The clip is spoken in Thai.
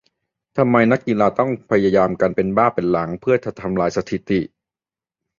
ทำไมนักกีฬาถึงต้องพยายามกันเป็นบ้าเป็นหลังเพื่อจะทำลายสถิติ ?